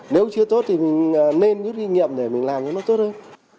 nếu chưa tốt thì mình nên rút kinh nghiệm để mình làm cho nó tốt hơn